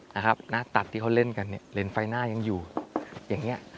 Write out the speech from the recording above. นะครับหน้าตัดที่เขาเล่นกันเนี่ยเลนส์ไฟหน้ายังอยู่อย่างเงี้ย